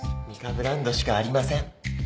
ブランドしかありません。